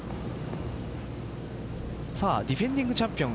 ディフェンディングチャンピオン